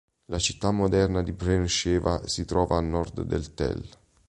La città moderna di Be'er Sheva si trova a nord del tell.